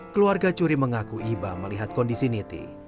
keluarga curi mengaku iba melihat kondisi niti